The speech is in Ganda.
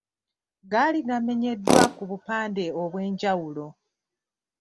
Gaali gamenyeddwa ku bupande obw’enjawulo.